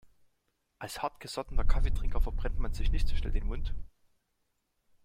Als hartgesottener Kaffeetrinker verbrennt man sich nicht so schnell den Mund.